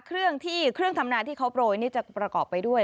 เครื่องธำนาที่เขาโปรดนี่จะประกอบไปด้วย